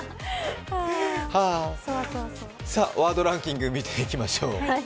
さあ、ワードランキング見ていきましょう。